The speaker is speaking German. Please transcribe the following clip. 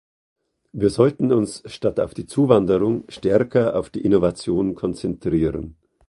Wir sollten uns statt auf die Zuwanderung stärker auf die Innovation konzentrieren.